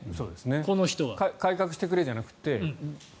この人は。改革してくれじゃなくて。